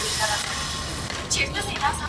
زه مخکي مېوې راټولې کړي وې؟